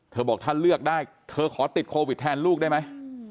บอกถ้าเลือกได้เธอขอติดโควิดแทนลูกได้ไหม